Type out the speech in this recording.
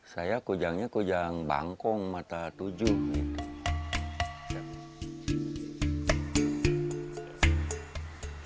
saya kujangnya kujang bangkong mata tujuh gitu